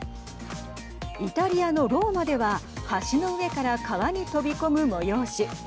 イタリアのローマでは橋の上から川に飛び込む催し。